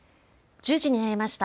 １０時になりました。